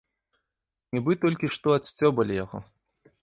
Нібы толькі што адсцёбалі яго.